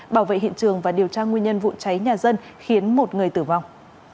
bảo vệ hiện trường và điều tra nguyên nhân vụ cháy nhà dân khiến một người tử vong